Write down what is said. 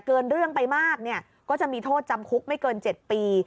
เกินเรื่องไปมากเนี่ยก็จะมีโทษจำคุกไม่เกิน๗ปี